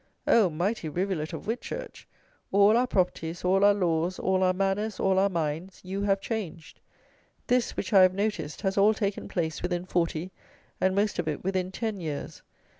Oh! mighty rivulet of Whitchurch! All our properties, all our laws, all our manners, all our minds, you have changed! This, which I have noticed, has all taken place within forty, and most of it within ten years.